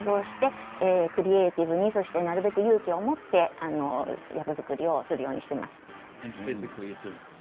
クリエイティブにそして、なるべく勇気をもって役作りするようにしています。